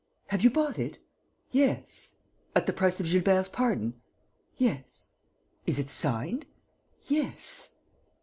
"Have you bought it?" "Yes." "At the price of Gilbert's pardon?" "Yes." "Is it signed?" "Yes."